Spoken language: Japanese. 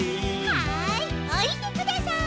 はいおりてください。